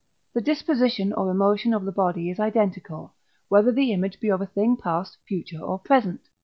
the disposition or emotion of the body is identical, whether the image be of a thing past, future, or present.